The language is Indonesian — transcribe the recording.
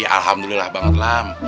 alhamdulillah banget lam